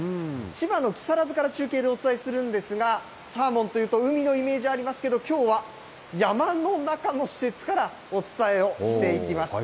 千葉の木更津から中継でお伝えするんですが、サーモンというと海のイメージありますけれども、きょうは山の中の施設からお伝えをしていきます。